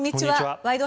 「ワイド！